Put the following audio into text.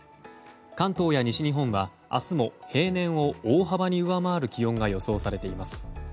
関東や西日本は明日も平年を大幅に上回る気温が予想されています。